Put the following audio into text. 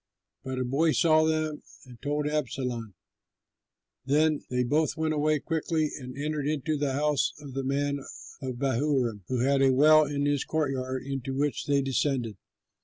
But a boy saw them and told Absalom. Then they both went away quickly and entered into the house of a man in Bahurim, who had a well in his courtyard into which they descended.